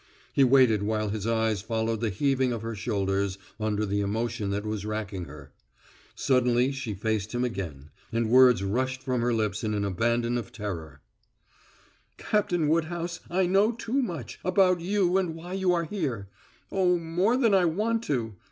He waited while his eyes followed the heaving of her shoulders under the emotion that was racking her. Suddenly she faced him again, and words rushed from her lips in an abandon of terror: "Captain Woodhouse, I know too much about you and why you are here. Oh, more than I want to!